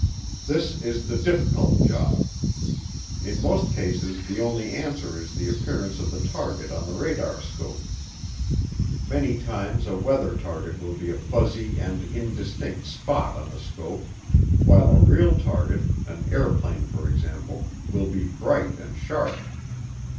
This is the difficult job. In most cases the only answer is the appearance of the target on the radar scope. Many times a weather target will be a fuzzy and indistinct spot on the scope while a real target, an airplane for example, will be bright and sharp.